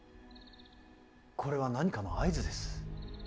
これは何かの合図です。